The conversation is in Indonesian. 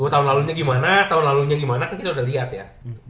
tau tahun lalunya gimana kita udah liat ya